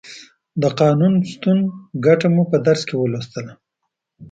د قانون شتون ګټه مو په درس کې ولوستله.